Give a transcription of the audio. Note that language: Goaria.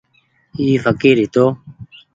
اي ڦڪير هيتو ۔